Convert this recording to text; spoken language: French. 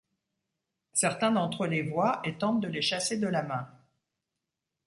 Certains d’entre eux les voient, et tentent de les chasser de la main.